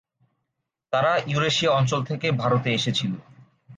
তারা ইউরেশিয়া অঞ্চল থেকে ভারতে এসেছিলো।